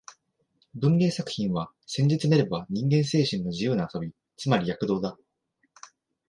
文芸作品は、せんじつめれば人間精神の自由な遊び、つまり躍動だ